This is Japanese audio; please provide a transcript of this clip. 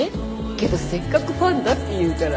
けどせっかくファンだって言うから。